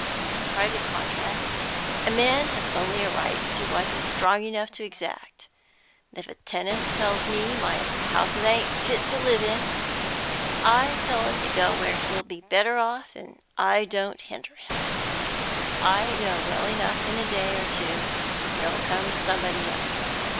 In private contract a man has only a right to what he's strong enough to exact. If a tenant tells me my houses ain't fit to live in, I tell him to go where he'll be better off and I don't hinder him; I know well enough in a day or two there'll come somebody else.